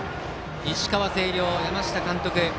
石川・星稜の山下監督。